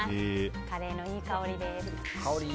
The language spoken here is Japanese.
カレーのいい香りです。